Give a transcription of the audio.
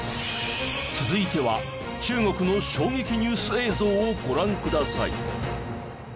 続いては中国の衝撃ニュース映像をご覧ください。